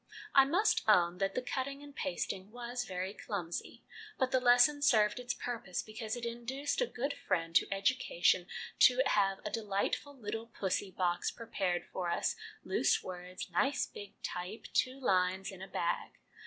I must own that the cutting and pasting was very clumsy, but the lesson served its purpose because it induced a good friend to education 1 to have a delightful ' Little Pussy ' box prepared for us, loose words, nice big type, two lines in a bag.